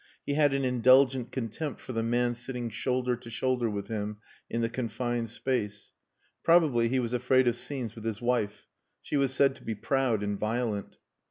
He had an indulgent contempt for the man sitting shoulder to shoulder with him in the confined space. Probably he was afraid of scenes with his wife. She was said to be proud and violent.